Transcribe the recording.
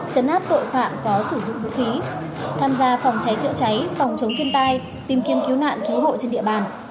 chấn áp tội phạm có sử dụng vũ khí tham gia phòng cháy chữa cháy phòng chống thiên tai tìm kiếm cứu nạn cứu hộ trên địa bàn